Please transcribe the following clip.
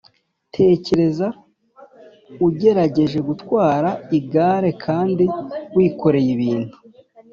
Tekereza ugerageje gutwara igare kandi wikoreye ibintu